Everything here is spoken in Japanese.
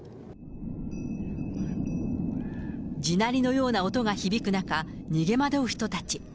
地鳴りのような音が響く中逃げ惑う人たち。